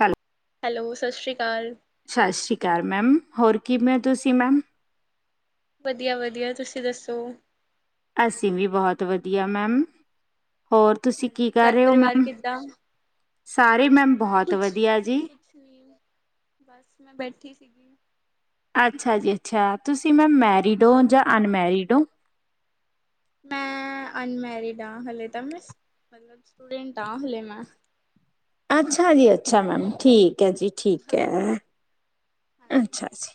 ਹੈਲ ਹੈਲੋ, ਸਸ ਸ਼੍ਰੀ ਕਾਲ। ਸਸ ਸ੍ਰੀ ਕਾਲ ਮੈਮ, ਹੋਰ ਕਿਵੇਂ ਓ ਤੁਸੀ ਮੈਮ? ਵਧੀਆ-ਵਧੀਆ। ਤੁਸੀਂ ਦੱਸੋ? ਅਸੀ ਵੀ ਬੋਤ ਵਧੀਆ ਮੈਮ। ਹੋਰ ਤੁਸੀ ਕੀ ਹਾਂਜੀ ਕਰ ਘਰ ਰੇ ਓ ਪਰਿਵਾਰ ਮੈਮ? ਕਿੱਦਾਂ ਸਾਰੇ ਈ ਮੈਮ ਮੈਂ ਬੋਹੋਤ ਕੁਛ ਵਧੀਆ ਐ ਜੀ। ਕੁਛ ਬਸ ਮੈਂ ਬੈਠੀ ਸੀਗੀ। ਅੱਛਾ ਜੀ ਅੱਛਾ। ਤੁਸੀ ਮੈਮ ਮੈਰਿਡ ਓ ਜਾਂ ਅਨਮੈਰਿਡ ਓ? ਮੈਂ ਅਨਮੈਰਿਡ ਆਂ। ਹਾਲੇੇ ਤਾਂ ਮੈਂ ਸ ਮਤਲਬ ਸਟੂਡੈਂਟ ਆਂ ਹਾਲੇੇ ਮੈਂ। ਅੱਛਾ ਜੀ ਅੱਛਾ ਮੈਮ। ਠੀਕ ਐ ਜੀ। ਠੀਕ ਐ। ਹਾਂਜੀ ਹਾਂਜੀ ਅੱਛਾ ਜੀ।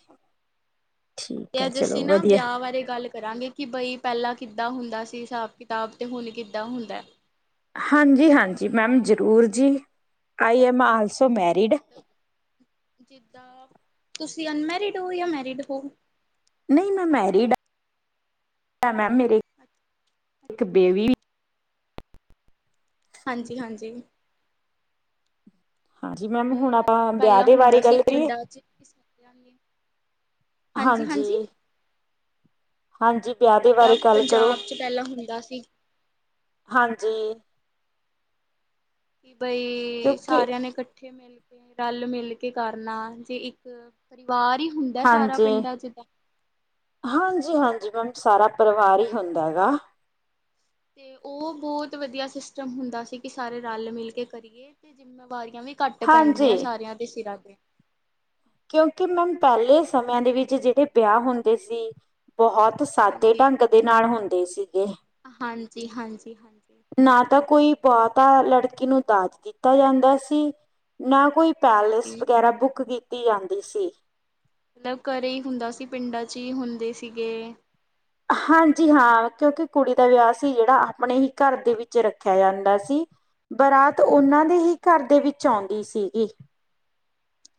ਤੇ ਠੀਕ ਹੈ ਆੱਜ ਅਸੀ ਚਲੋ ਨਾ ਵਧੀਆ ਵਿਆ ਬਾਰੇ ਗੱਲ ਕਰਾਂਗੇ ਕਿ ਬਈ ਪੈਲਾਂ ਕਿੱਦਾਂ ਹੁੰਦਾ ਸੀ ਹਿਸਾਬ ਕਿਤਾਬ ਅਤੇ ਹੁਣ ਕਿੱਦਾਂ ਹੁੰਦਾ। ਹਾਂਜੀ-ਹਾਂਜੀ ਮੈਮ ਜ਼ਰੂਰ ਜੀ। I am also married. ਜਿੱਦਾਂ ਤੁਸੀਂ ਅਨਮੈਰਿਡ ਹੋ ਯਾਂ ਮੈਰਿਡ ਹੋ? ਨਈ ਮੈਂ ਮੈਰੀਡ ਆਂ। ਮੈ ਮੇਰੇ ਅੱਛਾ ਇੱਕ ਬੇਬੀ ਅੱਛਾ ਹਾਂਜੀ, ਹਾਂਜੀ। ਹਾਂਜੀ ਮੈਮ ਤੇ ਹੁਣ ਆਪਾਂ ਜਿੱਦਾਂ ਵਿਆਹ ਪੈਲਾਂ ਦੇ ਹੁੰਦਾ ਬਾਰੇ ਸੀ ਗੱਲ ਕਰੀਏ ਪਿੰਡਾਂ 'ਚ ਕਿਸ ਹਾਂਜੀ ਹਾਂਜੀ ਵਿਆਹ ਦੇ ਜਿੱਦਾਂ ਬਾਰੇ ਗੱਲ ਕਰੋ ਪੰਜਾਬ 'ਚ ਪੈਲਾਂ ਹੁੰਦਾ ਸੀ। ਹਾਂਜੀ ਕਿ ਬਈ ਕਿਉਂਕਿ ਸਾਰਿਆਂ ਨੇ ਕੱਠੇ ਮਿਲ ਕੇ ਰਲ ਮਿਲ ਕੇ ਕਰਨਾ ਜੀ ਇੱਕ ਪਰਿਵਾਰ ਹੀ ਹੁੰਦਾ ਸਾਰਾ ਪਿੰਡਾਂ 'ਚ ਦਾ ਹਾਂਜੀ-ਹਾਂਜੀ ਮੈਮ ਸਾਰਾ ਪਰਿਵਾਰ ਹੀ ਹੁੰਦਾ ਹੈਗਾ। ਤੇ ਓ ਬੋਤ ਵਧੀਆ ਸਿਸਟਮ ਹੁੰਦਾ ਸੀ ਕਿ ਸਾਰੇ ਰਲ ਮਿਲ ਕੇ ਕਰੀਏ ਤੇ ਜਿੰਮੇਵਾਰੀਆਂ ਵੀ ਘੱਟ ਹਾਂਜੀ ਪੈਂਦੀਆਂ ਸਾਰਿਆਂ ਦੇ ਸਿਰਾਂ ਤੇ ਕਿਉਂਕਿ ਮੈਮ ਪੈਲੇ ਸਮਿਆਂ ਦੇ ਵਿੱਚ ਜੇੜੇ ਵਿਆਹ ਹੁੰਦੇ ਸੀ ਬਹੁਤ ਸਾਦੇ ਹਾਂਜੀ। ਢੰਗ ਦੇ ਨਾਲ ਹੁੰਦੇ ਸੀਗੇ। ਹਾਂਜੀ-ਹਾਂਜੀ-ਹਾਂਜੀ ਨਾ ਤਾਂ ਕੋਈ ਬੋਤਾ ਲੜਕੀ ਨੂੰ ਦਾਜ ਦਿੱਤਾ ਜਾਂਦਾ ਸੀ ਨਾ ਕੋਈ ਹਾਂਜੀ ਪੈਲੇਸ ਹਾਂਜੀ ਵਗੈਰਾ ਬੁੱਕ ਕੀਤੀ ਜਾਂਦੀ ਸੀ। ਮਤਲਬ ਘਰੇ ਹੀ ਹੁੰਦਾ ਸੀ ਪਿੰਡਾਂ 'ਚ ਹੀ ਹੁੰਦੇ ਸੀਗੇ। ਹਾਂਜੀ ਹਾਂ ਕਿਉਂਕਿ ਕੁੜੀ ਦਾ ਵਿਆਹ ਸੀ ਜੇੜਾ ਆਪਣੇ ਹੀ ਘਰ ਦੇ ਵਿੱਚ ਰੱਖਿਆ ਜਾਂਦਾ ਸੀ। ਬਰਾਤ ਉਹਨਾਂ ਦੇ ਹੀ ਘਰ ਹਾਂਜੀ-ਹਾਂਜੀ, ਦੇ ਵਿੱਚ ਆਉਂਦੀ ਸੀਗੀ।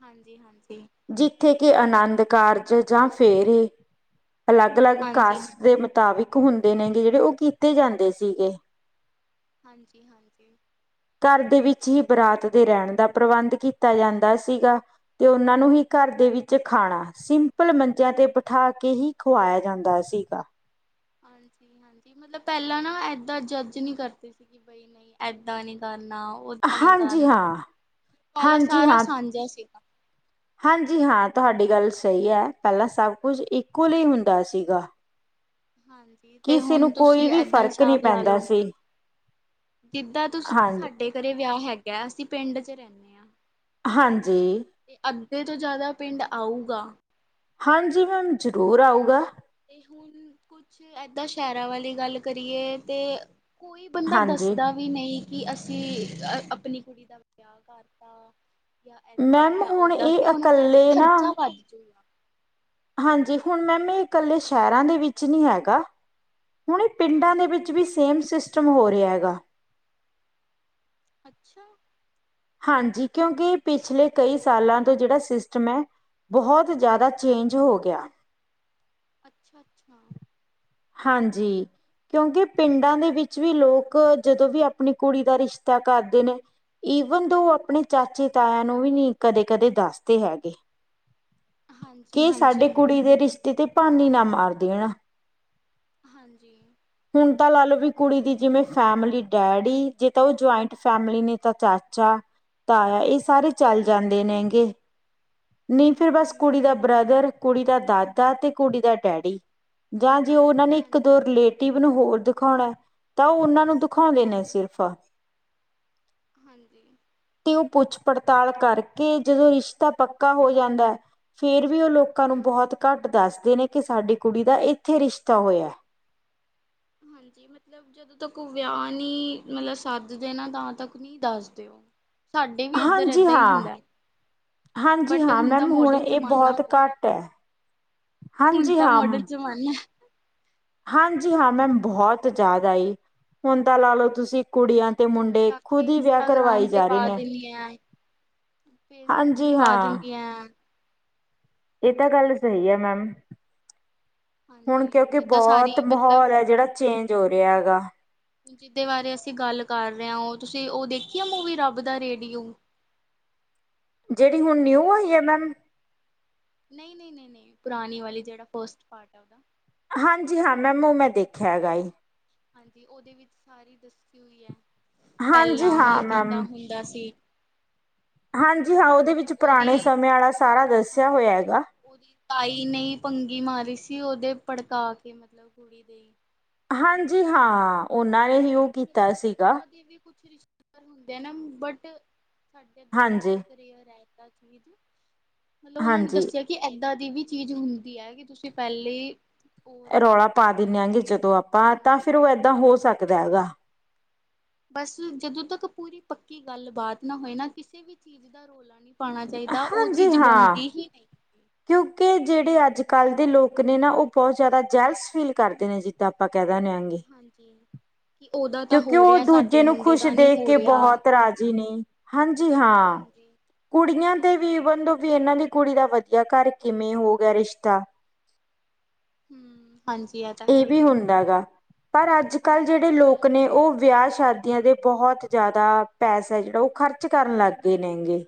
ਹਾਂਜੀ-ਹਾਂਜੀ ਜਿੱਥੇ ਕਿ ਆਨੰਦ ਕਾਰਜ ਜਾਂ ਫੇਰੇ ਅਲੱਗ- ਅਲੱਗ ਹਾਂਜੀ ਕਾਸਟ ਹਾਂਜੀ ਦੇ ਮਤ ਮੁਤਾਬਿਕ ਹੁੰਦੇ ਨੇਗੇ ਜੇੜੇ ਓ ਕੀਤੇ ਜਾਂਦੇ ਸੀਗੇ। ਹਾਂਜੀ-ਹਾਂਜੀ ਘਰ ਦੇ ਵਿੱਚ ਹੀ ਬਰਾਤ ਦੇ ਰੈਂਣ ਦਾ ਪ੍ਰਬੰਧ ਕੀਤਾ ਜਾਂਦਾ ਸੀਗਾ। ਤੇ ਉਹਨਾਂ ਨੂੰ ਹੀ ਘਰ ਦੇ ਵਿੱਚ ਖਾਣਾ ਸਿੰਪਲ ਮੰਜਿਆਂ ਤੇ ਬਿਠਾ ਕੇ ਹੀ ਖਵਾਇਆ ਜਾਂਦਾ ਸੀਗਾ। ਹਾਂਜੀ-ਹਾਂਜੀ ਮਤਲਬ ਪੈਲਾਂ ਨਾ ਏਦਾਂ ਜੱਜ ਨਈ ਕਰਦੇ ਸੀਗੇ ਬਟ ਬੀ ਨਈਂ ਏਦਾਂ ਨੀ ਕਰਨਾ। ਓਦਾਂ ਨੀ ਹਾਂਜੀ ਕਰਨਾ ਹਾਂ, ਪੈਲਾਂ ਹਾਂਜੀ ਸਾਰਾ ਹਾਂ ਸਾਂਝਾ ਸੀਗਾ। ਹਾਂਜੀ ਹਾਂ ਤੁਹਾਡੀ ਗੱਲ ਸਈ ਐ ਪੈਲਾਂ ਸਭ ਕੁਝ ਇਕੁਅਲ ਹੀ ਮਿਲਦਾ ਸੀਗਾ। ਹਾਂਜੀ ਤੇ ਕਿਸੇ ਹੁਣ ਨੂੰ ਕੋਈ ਤੁਸੀਂ ਵੀ ਏਦਾਂ ਫ਼ਰਕ ਨਹੀਂ ਹਿਸਾਬ ਲਾ ਪੈਂਦਾ ਲਓ ਸੀ ਜਿੱਦਾਂ ਤੁਸੀਂ ਹਾਂ ਸਾਡੇ ਘਰੇ ਵਿਆਹ ਹੈਗੈ ਅਸੀਂ ਪਿੰਡ 'ਚ ਰੈਨੇ ਆਂ। ਹਾਂਜੀ ਅੱਧੇ ਤੋਂ ਜਾਦਾ ਪਿੰਡ ਆਊਗਾ। ਹਾਂਜੀ ਮੈਮ ਜ਼ਰੂਰ ਆਊਗਾ। ਤੇ ਹੁਣ ਕੁਛ ਏਦਾਂ ਸ਼ਹਿਰਾਂ ਵਾਲੀ ਗੱਲ ਕਰੀਏ ਤੇ ਕੋਈ ਬੰਦਾ ਹਾਂਜੀ ਦੱਸਦਾ ਵੀ ਨਈਂ ਕਿ ਅਸੀਂ ਅਪਣੀ ਕੁੜੀ ਦਾ ਵਿਆਹ ਕਰਤਾ। ਯਾ ਏਦਾਂ ਮੈਮ ਯਾ ਹੁਣ ਓਦਾਂ ਕੀ ਇਹ ਉਹਨੂੰ ਕੈਹ ਕਿ ਇਕੱਲੇ ਨਾ ਖਰਚਾ ਬਚ ਜਊਗਾ। ਹਾਂਜੀ ਹੁਣ ਮੈਮ ਏ ਕੱਲੇ ਸ਼ਹਿਰਾਂ ਦੇ ਵਿੱਚ ਨਈ ਹੈਗਾ। ਹੁਣ ਏ ਪਿੰਡਾਂ ਦੇ ਹਾਂਜੀ ਵਿੱਚ ਵੀ ਸੇਮ ਸਿਸਟਮ ਹੋ ਰਿਆ ਹੈਗਾ। ਅੱਛਾ ਹਾਂਜੀ ਕਿਉਂਕਿ ਪਿਛਲੇ ਕਈ ਸਾਲਾਂ ਤੋਂ ਜੇੜਾ ਸਿਸਟਮ ਐ। ਬਹੁਤ ਜਾਦਾ ਚੇਂਜ ਹੋ ਗਿਆ। ਅੱਛਾ-ਅੱਛਾ ਹਾਂਜੀ ਕਿਉਂਕਿ, ਪਿੰਡਾਂ ਦੇ ਵਿੱਚ ਵੀ ਲੋਕ, ਜਦੋਂ ਵੀ ਆਪਣੀ ਕੁੜੀ ਦਾ ਰਿਸ਼ਤਾ ਕਰਦੇ ਨੇ ਈਵਨ ਦੋ ਓ ਆਪਣੇ ਚਾਚੇ-ਤਾਇਆ ਨੂੰ ਵੀ ਨਹੀਂ, ਕਦੇ-ਕਦੇ ਦੱਸਦੇ ਹੈਗੇ ਹਾਂਜੀ ਕਿ ਸਾਡੇ ਹਾਂਜੀ ਕੁੜੀ ਦੇ ਰਿਸ਼ਤੇ ਦੀ, ਭਾਨੀ ਨਾ ਮਾਰ ਦੇਣ ਹਾਂਜੀ। ਹੁਣ ਤਾਂ ਲਾ ਲਓ ਵੀ ਕੁੜੀ ਦੀ ਜਿਵੇਂ ਫੈਮਿਲੀ, ਡੈਡੀ, ਜੇ ਤਾਂ ਓ ਜੋਏਂਟ ਫੈਮਿਲੀ ਨੇ ਤਾਂ ਚਾਚਾ ਤਾਇਆ, ਇਹ ਸਾਰੇ ਚੱਲ ਜਾਂਦੇ ਹਾਂਜੀ ਨੇ ਗੇ, ਨਈੰ ਤੇ ਬਸ ਕੁੜੀ ਹਮ ਦਾ ਹਾਂਜੀ ਬ੍ਰਦਰ, ਕੁੜੀ ਦਾ ਦਾਦਾ, ਤੇ ਕੁੜੀ ਦਾ ਡੈਡੀ।, ਜਾਂ ਜੇ ਓਨਾਂ ਨੇ ਇੱਕ ਦੋ ਹਾਂਜੀ ਰਿਲੇਟ ਟੀ ਵੀ ਨੂੰ ਹੋਰ ਦਿਖੋਣਾ, ਤਾਂ ਓ ਓਨਾਂ ਨੂੰ ਦਿਖਾਉਂਦੇ ਨੇ ਹਾਂਜੀ ਸਿਰਫ ਹਾਂਜੀ। ਤੇ ਓ ਪੁੱਛ ਪੜਤਾਲ ਕਰਕੇ, ਜਦੋਂ ਰਿਸ਼ਤਾ ਪੱਕਾ ਹੋ ਜਾਂਦੈ ਫੇਰ ਵੀ ਓ ਲੋਕਾਂ ਨੂੰ ਹਾਂਜੀ ਬਹੁਤ ਘੱਟ ਦੱਸਦੇ ਨੇ ਕਿ, ਸਾਡੀ ਕੁੜੀ ਦਾ ਏਥੇ ਰਿਸ਼ਤਾ ਹੋਇਆ ਹਾਂਜੀ, ਮਤਲਬ ਜਦੋਂ ਤੱਕ ਓ ਵਿਆਹ ਨਹੀਂ, ਮਤਲਬ ਸੱਦਦੇ ਨਾ ਤਾਂ ਤੱਕ ਨਹੀਂ ਦੱਸਦੇ ਉਹ ਸਾਡੇ ਵੀ ਇੱਧਰ, ਹਾਂਜੀ ਏਦਾਂ ਹੀ ਹਾਂ ਹੁੰਦਾ ਹਾਂਜੀ ਬਟ, ਹਾਂ ਹੁਣ ਦਾ ਮੈਮ ਮੌਡਰਨ ਇਹ ਜ਼ਮਾਨਾ ਬਹੁਤ ਹੋ ਗਿਆ ਘੱਟ ਹੈ ਹੁਣ ਹਾਂਜੀ ਤਾਂ ਹਾਂ ਮੌਡਰਨ, ਜਮਾਨਾ ਹਾਂਜੀ ਹਾਂ ਮੈਮ, ਬਹੁਤ ਜ਼ਿਆਦਾ ਈ, ਹੁਣ ਤਾਂ ਲਾ ਲਓ ਤੁਸੀਂ ਹੁਣ ਤਾਂ ਤੇ ਕੁੜੀਆਂ ਮੁੰਡੇ ਚੱਕ ਕੇ, ਖੁਦ ਹੀ ਵਿਆਹ ਕਰਵਾਈ ਇੰਸਟਾਗ੍ਰਾਮ ਤੇ ਜਾ ਰਹੇ ਪਾ ਨੇ ਦੇਨੀਐਂ ਫੇਸਬੁੱਕ ਤੇ, ਹਾਂਜੀ ਪਾ ਦੇਂਦੀਐ ਏ ਤਾਂ ਗੱਲ ਸਹੀ, ਐ ਮੈਮ ਹੁਣ ਹਾਂਜੀ ਕਿਉਂਕਿ, ਜਿੱਦਾਂ ਸਾਰੀ ਬਹੁਤ ਮਤਲਬ ਮਾਹੌਲ ਹੈ ਜਿਹੜਾ, ਚੇਂਜ ਹੋ ਰਿਹਾ ਹੈਗਾ ਜਿਦੇ ਬਾਰੇ ਅਸੀਂ ਗੱਲ ਕਰ ਰੇ ਆਂ, ਓ ਤੁਸੀਂ ਓ ਦੇਖੀ ਐ ਮੂਵੀ, 'ਰੱਬ ਦਾ ਰੇਡੀਓ'? ਜਿਹੜੀ ਹੁਣ ਨਿਊ, ਆਈ ਐ ਮੈਮ? ਨਹੀਂ-ਨਹੀਂ-ਨਹੀਂ-ਨਹੀਂ, ਪੁਰਾਣੀ ਵਾਲੀ ਜਿਹੜਾ ਫਸਟ ਪਾਟ ਹੈ ਆ ਓਦਾ ਹਾਂਜੀ ਹਾਂ ਮੈਮ, ਓ ਮੈਂ ਦੇਖਿਆ ਹੈਗਾ ਏ ਹਾਂਜੀ, ਓਦੇ ਵਿੱਚ ਸਾਰੀ ਦੱੱਸੀ ਹੋਈ ਐ। ਹਾਂਜੀ ਪਹਿਲਾਂ ਮਤਲਬ, ਹਾਂ ਕਿੱਦਾਂ ਮੈਮ। ਹੁੰਦਾ ਸੀ। ਹਾਂਜੀ ਹਾਂ, ਓਦੇ ਵਿੱਚ ਮਤਲਬ ਉਹਦੀ ਪੁਰਾਣੇ ਸਮੇਂ ਆਲਾ, ਸਾਰਾ ਦੱਸਿਆ ਹੋਇਆ ਹੈਗਾ ਓਦੀ ਤਾਈ ਨੇ, ਈ ਭੰਗੀ ਮਾਰੀ ਸੀ, ਓਦੇ ਭੜਕਾ ਕੇ ਮਤਲਬ ਕੁੜੀ ਦੇ ਹਾਂਜੀ ਹਾਂ, ਉਹਨਾਂ ਨੇ ਹੀ ਉਹ ਕੀਤਾ ਮਤਲਬ ਸੀਗਾ ਇਦਾਂ ਦੇ ਵੀ ਕੁਛ ਰਿਸ਼ਤੇਦਾਰ, ਹੁੰਦੇ ਆ ਨਾ ਬਟ ਸਾਡੇ ਇੱਧਰ ਤਾਂ ਹਾਂਜੀ ਬਹੁਤ ਰੇਅਰ ਹੈਗਾ ਚੀਜ਼ ਮਤਲਬ ਉਹਨਾਂ ਨੇ ਹਾਂਜੀ। ਦੱਸਿਆ ਕਿ, ਏਦਾਂ ਦੀ ਵੀ ਚੀਜ਼ ਹੁੰਦੀ ਹੈ, ਕਿ ਤੁਸੀਂ ਪਹਿਲੇ ਉਹ ਰਹੋ ਰੌਲਾ ਪਾ ਸਤਰਕ ਦਿੰਨੇ ਆ ਕਿ, ਰਹੋ ਜਦੋਂ ਆਪਾਂ ਤਾਂ ਹਾਂਜੀ ਫੇਿਰ ਉਹ, ਏਦਾਂ ਹੋ ਸਕਦਾ ਹੈਗਾ ਬਸ ਜਦੋਂ ਤੱਕ ਪੂਰੀ ਪੱਕੀ, ਗੱਲਬਾਤ ਨਾ ਹੋਏ ਨਾ ਕਿਸੇ ਵੀ ਚੀਜ਼ ਦਾ, ਰੌਲਾ ਨਹੀਂ ਪਾਉਣਾ ਚਾਹੀਦਾ, ਉਹ ਹਾਂਜੀ ਚੀਜ਼ ਹਾਂ। ਬਣਦੀ ਹੀ ਨਹੀਂ ਕਿਉਂਕਿ, ਜਿਹੜੇ ਅੱਜ- ਕੱਲ੍ਹ ਦੇ ਲੋਕ ਨੇ ਨਾ, ਉਹ ਬਹੁਤ ਜ਼ਿਆਦਾ ਜੈਲਸ ਫੀਲ ਕਰਦੇ ਨੇ, ਜਿੱਦਾਂ ਆਪਾਂ ਕਹਿ ਦਿੰਦੇ ਹਨਜੀ ਕਿਉਂਕਿ, ਉਹ ਦੂਜੇ ਨੂੰ ਖ਼ੁਸ਼ ਦਾ ਨਹੀਂ ਦੇਖ ਹੋ ਕੇ, ਰਿਹਾ। ਬਹੁਤ ਰਾਜ਼ੀ ਨਈ ਹਾਂਜੀ ਹਾਂ, ਹਾਂਜੀ, ਹਾਂਜੀ ਕੁੜੀਆਂ ਇਹ ਤੇ ਤਾਂ ਵੀ ਹੈ ਹੀ। ਬੰਦੋ ਵੀ ਇਹਨਾਂ ਦੀ ਕੁੜੀ ਦਾ ਵਧੀਆ ਘਰ, ਕਿਵੇਂ ਹੋ ਗਿਆ ਰਿਸ਼ਤਾ ਹੂੰ, ਹਾਂਜੀ ਤਾਂ ਹੈ ਇਹ ਵੀ ਹੀ। ਹੁੰਦਾ ਗਾ ਪਰ ਅੱਜ ਹੁਣ -ਕੱਲ੍ਹ ਜਿਹੜੇ ਕੁਛ ਲੋਕ ਨੇ, ਉਹ ਵਿਆਹ ਸ਼ਾਦੀ ਆਂ ਦੇ ਬਹੁਤ ਜ਼ਿਆਦਾ ਪੈਸਾ ਜਿਹੜਾ ਉਹ ਖਰਚ, ਕਰਨ ਲੱਗ ਗਏ ਨੇ ਗੇ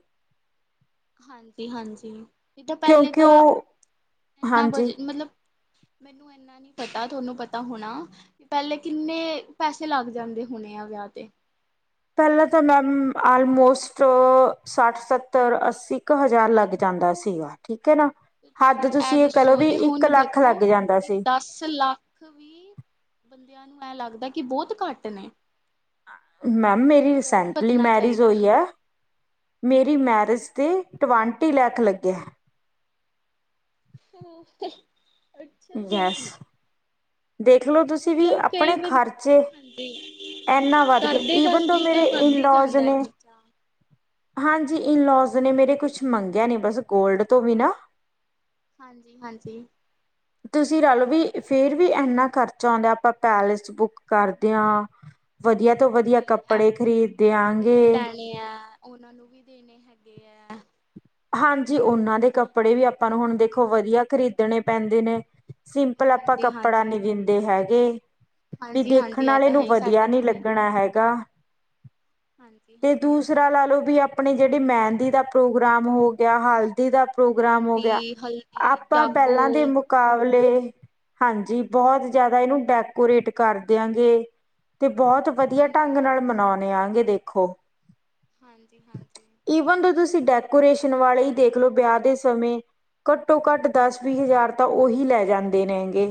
ਹਾਂਜੀ -ਹਾਂਜੀ ਜਿਦਾਂ ਪਹਿਲੇ ਕਿਉਂਕਿ ਤਾਂ, ਉਹ ਇੰਨਾ ਹਾਂਜੀ ਬਜ ਮਤਲਬ ਮੈਨੂੰ ਏਨਾ ਨੀ ਪਤਾ ਤੁਹਾਨੂੰ ਪਤਾ ਹੋਣਾ ਪੈਲੇ ਕਿੰਨੇ ਪੈਸੇ ਲੱਗ ਜਾਂਦੇ ਹੋਣੇ ਆ ਵਿਆਹ ਤੇ ਪੈਲਾਂ ਤਾਂ ਮੈਮ ਆਲਮੋਸਟ ਸੱਠ-ਸੱਤਰ-ਅੱਸੀ ਕ ਹਜ਼ਾਰ ਲੱਗ ਜਾਂਦਾ ਸੀਗਾ। ਠੀਕ ਐ ਨਾ, ਤੇ ਹੱਦ ਇਹ ਤੁਸੀਂ ਏ ਕਹਿ ਲੋ ਦੱਸੋ ਵੀ ਤੇ ਇੱਕ ਹੁਣ ਲੱਖ ਦੇਖੋ ਲੱਗ ਜਾਂਦਾ ਕਿ ਸੀ। ਦਸ ਲੱਖ ਵੀ ਬੰਦਿਆਂ ਨੂੰ ਐ ਲੱਗਦਾ ਕਿ ਬੋਹਤ ਘੱਟ ਨੇ ਮੈਮ ਮੇਰੀ ਹੋਰ ਰਿਸੈਂਟਲੀ ਵਧਣਾ ਮੈਰਿਜ ਚਾਹੀਦਾ ਹੋਈ ਐ ਮੇਰੀ ਮੈਰਿਜ ਹਾਂਜੀ। ਤੇ ਟਵੈਂਟੀ ਲੈਖ ਲੱਗੇ। ਅੱਛਾ ਜੀ। ਦੇਖਲੋ ਤੁਸੀਂ ਵੀ, ਮਤਲਬ ਕਈ ਅਪਣੇ ਵਾਰੀ ਖਰਚੇ ਹਾਂਜੀ, ਐਨਾ ਵੱਧ ਗਏ ਈਵਨ ਸੋ ਕਰਦੇ-ਕਰਦੇ ਮੇਰੇ ਤਾਂ ਵੱਧ ਹੀ ਇਨਲੋਜ਼ ਜਾਂਦਾ ਹੈ ਨੇ ਖਰਚਾ। ਹਾਂਜੀ ਇਨਲੋਜ ਨੇ ਮੇਰੇ ਕੁਛ ਮੰਗਿਆ ਨੀ ਬਸ ਗੋਲਡ ਤੋਂ ਬਿਨਾ ਹਾਂਜੀ-ਹਾਂਜੀ। ਤੁਸੀਂ ਰਲ ਵੀ ਫੇਰ ਵੀ ਏਨਾ ਖਰਚਾ ਆਂਦਾ ਆਪਾਂ ਪੈਲੇਸ ਬੁੱਕ ਕਰਦੇ ਆ ਵਧੀਆ ਤੋਂ ਵਧੀਆ ਕੱਪੜੇ ਖ਼ਰੀਦ ਦਯਾਂਗੇ ਤਾਂ ਓਨਾਂ ਨੂੰ ਵੀ ਦੇਣੇ ਹੈਗੇ ਐ। ਹਾਂਜੀ ਓਨਾਂ ਦੇ ਕੱਪੜੇ ਵੀ ਕੁਛ ਆਪਾਂ ਨੂੰ ਕਰਨਾ ਹੁਣ ਦੇਖੋ ਵਧੀਆ ਖਰੀਦਣੇ ਪੈਂਦੇ ਨੇ। ਸਿੰਪਲ ਆਪਾਂ ਕੱਪੜਾ ਹਾਂਜੀ-ਹਾਂਜੀ, ਨੀ ਦਿੰਦੇ ਹੈਗੇ। ਵੀ ਹਾਂਜੀ-ਹਾਂਜੀ ਦੇਖਣ ਇਹ ਆਲੇ ਤਾਂ ਹੈ ਨੂੰ ਹੀ ਵਧੀਆ ਸਾਡੇ 'ਚ ਨੀ ਵੀ ਏਦਾਂ ਲੱਗਣਾ ਹੈਗਾ। ਤੇ ਹਾਂਜੀ-ਹਾਂਜੀ। ਦੂਸਰਾ ਲਾ ਲੋ ਵੀ, ਆਪਣੇ ਜੇੜੇ ਮੈੰਦੀ ਦਾ ਪ੍ਰੋਗਰਾਮ ਹੋ ਗਯਾ, ਹਲਦੀ ਦਾ ਪ੍ਰੋਗਰਾਮ ਹੋ ਗਿਆ ਮਹਿੰਦੀ, ਹਲਦੀ, ਆਪਾਂ ਜਾਗੋ ਪੈਲਾਂ ਦੇ ਮੁ ਕਾਵਲੇ ਹਾਂਜੀ ਬੋਹਤ ਜ਼ਿਆਦਾ ਏਨੂੰ ਡੈਕੋਰੇਟ ਕਰ ਦਿਆਂਗੇ ਤੇ ਬੋਹਤ ਵਧੀਆ ਢੰਗ ਹਾਂਜੀ। ਨਾਲ ਮਨਾਓਣੇ ਆ ਗੇ ਦੇਖੋ ਹਾਂਜੀ-ਹਾਂਜੀ। ਈਵਨ ਤੇ ਤੁਸੀਂ ਡੈਕੋਰੇਸ਼ਨ ਵਾਲੇ ਈ ਦੇਖ ਲੋ ਵਿਆਹ ਦੇ ਸਮੇਂ ਘੱਟੋ-ਘੱਟ ਦਸ-ਵੀਹ ਹਜ਼ਾਰ ਤਾਂ ਓਹੀ ਲੈ ਜਾਂਦੇ ਨੇਗੇ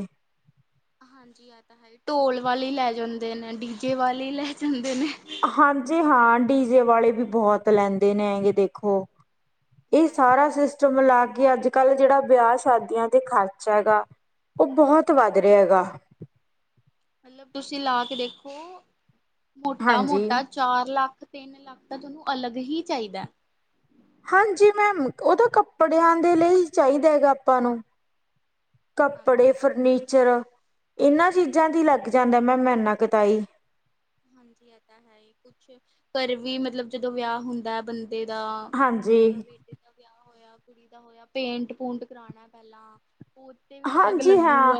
ਹਾਂਜੀ ਐ ਤਾਂ ਹੈ, ਢੋਲ ਵਾਲੇ ਲੈ ਜਾਂਦੇ ਨੇ, ਡੀਜੇ ਵਾਲੇ ਲੈ ਜਾਂਦੇ ਨੇ। ਹਾਂਜੀ ਹਾਂ ਡੀਜੇ ਵਾਲੇ ਵੀ ਬੋਹਤ ਲੈਂਦੇ ਨੇ ਹੈਂਗੇ ਦੇਖੋ ਏ ਸਾਰਾ ਹਾਂਜੀ-ਹਾਂਜੀ। ਸਿਸਟਮ ਲਾ ਕੇ ਅੱਜ ਕੱਲ੍ਹ ਜੇੜਾ ਵਿਆਹ-ਸ਼ਾਦੀਆਂ ਤੇ ਖ਼ਰਚ ਹੈਗਾ, ਓ ਬੋਹਤ ਵੱਧ ਰੇਆ ਹੈਗਾ। ਮਤਲਬ ਤੁਸੀਂ ਲਾ ਕੇ ਦੇਖੋ, ਹਾਂਜੀ ਮੋਟਾ-ਮੋਟਾ ਚਾਰ ਲੱਖ-ਤਿੰਨ ਲੱਖ ਤਾਂ ਤੁਹਾਨੂੰ ਅਲੱਗ ਹੀ ਚਾਇਦਾ। ਹਨਜੀ ਮੈਮ, ਓ ਤਾਂ ਕੱਪੜਿਆਂ ਦੇ ਲਈ ਚਾਇਦਾ ਹੈਗਾ ਆਪਾਂ ਨੂੰ ਕੱਪੜੇ, ਹਾਂਜੀ-ਹਾਂਜੀ ਫਰਨੀਚਰ, ਏਨਾਂ ਚੀਜ਼ਾਂ ਤੇ ਈ੍ ਲੱਗ ਜਾਂਦਾ ਮੈਮ ਏਨਾ ਕ ਤਾਈ ਜੀ ਐ ਤਾ ਹੈ ਹੀ ਕੁਛ ਘਰ ਵੀ ਮਤਲਬ ਜਦੋਂ ਵਿਆਹ ਹੁੰਦਾ ਹੈ ਬੰਦਾ ਦਾ ਹਾਂਜੀ ਜਿੱਦਾਂ ਬੇੇਟੇ ਦਾ ਵਿਆਹ ਹੋਇਆ ਕੁੜੀ ਦਾ ਹੋਇਆ ਪੇਂਟ-ਪੂਂਟ ਕਰਾਣਾ ਪੈਲਾਂ ਹੋਰ ਤੇ ਵੀ ਅਲੱਗ ਲੱਗੂ ਗਾ।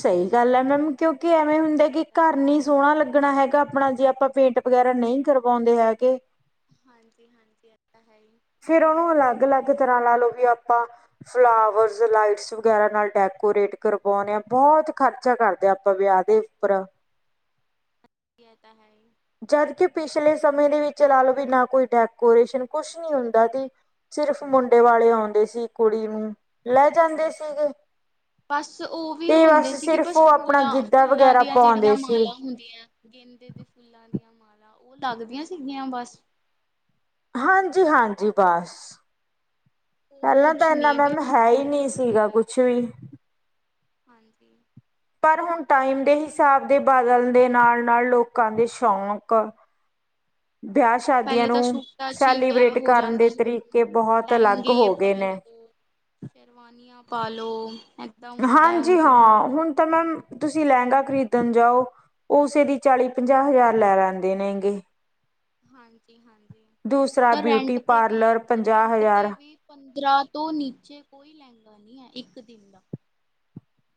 ਸਈ ਗੱਲ ਐ ਮੈਮ ਕਿਉਂਕਿ ਉਹ ਐਵੇਂ ਦੇਖਣਾ ਹੁੰਦਾ ਕਿ ਪੈਂਦਾ ਘੱਰ ਨੀ ਸੋਹਣਾ ਲੱਗਣਾ ਹੈਗਾ ਅਪਣਾ ਜੇ ਆਪਾਂ ਪੇਂਟ ਵਗੈਰਾ ਨਹੀ ਕਰਵਾਉਂਦੇ ਹੈਗੇ। ਹਾਂਜੀ-ਹਾਂਜੀ ਐ ਤਾਂ ਹੈ ਹੀ। ਫੇਰ ਓਨੂੰ ਅਲੱਗ-ਅਲੱਗ ਤਰ੍ਹਾਂ ਲਾ ਲੋ ਵੀ ਆਪਾਂ ਫਲਾਵਰਸ, ਲਾਈਟਸ ਵਗੈਰਾ ਨਾਲ ਡੈਕੋਰੇਟ ਕਰਵਾਉਣੇ ਆ ਬੋਹਤ ਖਰਚ ਚਾ ਕਰਦੇ ਹਾ ਆਪਾਂ ਵਿਆਹ ਦੇ ਉੱਪਰ ਬੀ ਐ ਤਾ ਹੈ ਹੀ ਜਦ ਕਿ ਪਿਛਲੇ ਸਮੇਂ ਦੇ ਵਿੱਚ ਲਾ ਲੋ ਵੀ ਨਾ ਕੋਈ ਡੈਕੋਰੇਸ਼ਨ ਕੁਛ ਨੀ ਹੁੰਦਾ ਦੀ ਸਿਰਫ ਮੁੰਡੇ ਵਾਲੇ ਆਓਂਡੇ ਸੀ ਕੁੜੀ ਨੂੰ, ਲੈ ਜਾਂਦੇ ਸੀਗੇ। ਬਾੱਸ ਓ ਵੀ ਤੇ ਹੁਂਦੇ ਬਸ ਸੀ ਕਿ ਸਿਰਫ ਬਾੱਸ ਉਹ ਆਪਣਾ ਫੁੱਲਾ, ਗਿੱਧਾ ਫੁੱਲਾ ਵਗੈਰਾ ਦੀਆ ਜੇੜੀਆਂ ਪਾਉਂਦੇ ਸੀ। ਮਾਲਾ ਹੁਂਦੀਆਂ ਗੇਂਦੇ ਦੇ ਫੁੱਲਾਂ ਦੀਆਂ ਮਾਲਾ ਓ ਲੱਗਦੀਆਂ ਸੀਗੀਆਂ ਬਾੱਸ। ਹਾਂਜੀ-ਹਾਂਜੀ, ਬਾੱਸ। ਹੋਰ ਪੈਲਾ ਕੁਛ ਤਾਂ ਐਨਾ ਨਹੀਂ ਨਨ ਬਿਲਕੁਲ ਹੈ ਈ ਨੀ ਸਾਦਗੀ ਸੀਗਾ ਸੀਗੀ ਕੁਛ ਵੀ। ਹਾਂਜੀ। ਪਰ ਹੋਨ ਟਾਈਮ ਦੇ ਹਿਸਾਬ ਦੇ ਬਦਲ ਦੇ ਨਾਲ-ਨਾਲ ਲੋਕਾਂ ਦੇ ਸ਼ੌਂਕ ਪੈਲੇ ਤਾਂ ਸੂਟਾ ਚ ਈ ਵਿਆ ਸੈਲੀਬ੍ਰੇਟ ਹੋ ਕਰਨ ਜਾਂਦੇ ਦੇ ਸੀ, ਤਰੀਕੇ ਬਹੁਤ ਅਲੱਗ ਲੈੰਗੇ ਹੋ ਗਏ ਪਾਲੋ ਨੇ। ਓ ਸ਼ੇਰਵਾਨੀਆਂ ਪਾਲੋ ਹਾਂਜੀ ਹਾਂ ਹੁਨ ਤਾ ਮੈਮ ਤੁਸੀ ਲੈਗਾ ਖਰੀਦਨ ਜਾਓ ਓ ਉਸੇ ਦੀ ਚਾਲੀ-ਪੰਜਾਹ ਹਜ਼ਾਰ ਲੈ ਲੈਂਦੇ ਨੇਗੇ। ਹਾਂਜੀ-ਹਾਂਜੀ, ਹੁਨ ਦੂਸਰਾ ਤਾਂ ਬਿਊਟੀ ਰੈਂਟ ਤੇ ਵੀ ਪਾਰਲਰ ਪੰਜਾਹ ਰੈਂਟ ਹਜ਼ਾਰ ਤੇ ਵੀ ਪੰਦਰਾਂ ਤੋਂ ਨੀਚੇ ਕੋਈ ਲੈਗਾ ਨੀ ਐ ਇੱਕ ਦਿਨ ਦਾ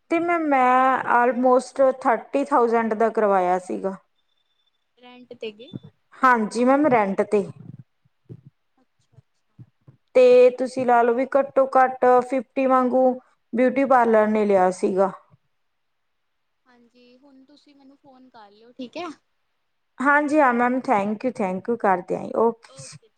ਤੇ ਮੈਂ ਮੈਂ ਆਲਮੋਸਟ ਥਰਟੀ ਥਾਊਸੈਂਡ ਦਾ ਕਰਵਾਇਆ ਸੀਗਾ। ਰੈਂਟ ਤੇ ਹਾਂਜੀ ਮੈਮ ਰੈਂਟ ਤੇ। ਅੱਛਾ-ਅੱਛਾ। ਤੇ ਤੁਸੀ ਲਾ ਲੋ ਵੀ ਘੱਟੋ-ਘਾੱਟ ਫਿਫਟੀ ਵਾਗੂ ਬਯੂਟੀ ਪਾਲਰ ਨੇ ਲੇਆ ਸੀਗਾ। ਹਾਂਜੀ ਹੁਨ ਤੁਸੀ ਮੈਨੂੰ ਫੋਨ ਕਰ ਲਯੋ ਠੀਕ ਐ। ਹਾਂਜੀ ਹਾਂ ma'am thank you thank you ਕਰਦੇ ਆਈ, ਓ ਓਕੇ